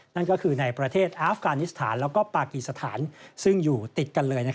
นั่นก็คือในประเทศอาฟกานิสถานแล้วก็ปากีสถานซึ่งอยู่ติดกันเลย